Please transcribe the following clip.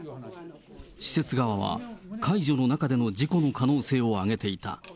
施設側は介助の中での事故の可能性を挙げていた。